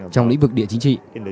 trong lĩnh vực địa chính trị